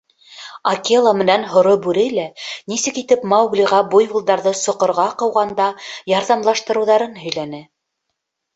Акела менән һоро бүре лә нисек итеп Мауглиға буйволдарҙы соҡорға ҡыуғанда ярҙамлашыуҙарын һөйләне.